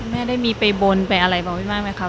แม่ได้มีไปบนไปอะไรบ้างบ้างไหมคะ